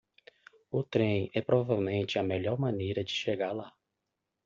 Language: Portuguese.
O trem é provavelmente a melhor maneira de chegar lá.